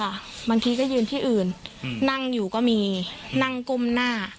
บางทีก็ยืนที่อื่นอืมนั่งอยู่ก็มีนั่งก้มหน้า